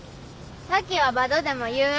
咲妃はバドでも言う。